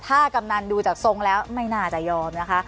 ถ้ากำนันดูจากทรงแล้วไม่น่าจะยอมนะคะ